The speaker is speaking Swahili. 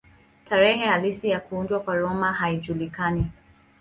Tarehe halisi ya kuundwa kwa Roma haijulikani.